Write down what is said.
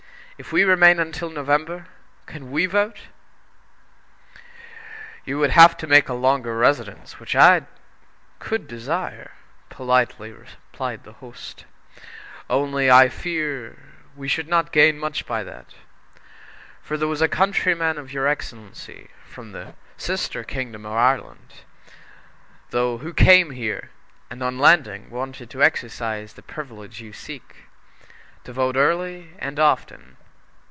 If we remain until November, can we vote?" "You would have to make a longer residence, which I could desire," politely replied the host; "only, I fear we should not gain much by that for there was a countryman of your excellency, from the sister kingdom of Ireland, though, who came here, and on landing wanted to exercise the privilege you seek to vote early and often!